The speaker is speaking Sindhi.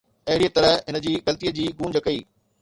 اهڙيء طرح هن جي غلطي جي گونج ڪئي